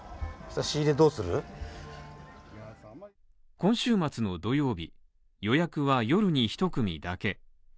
今週末の土曜日、予約は夜にひと組だけ。